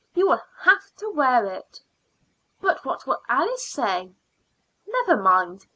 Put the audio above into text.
You will have to wear it." "But what will Alice say?" "Never mind.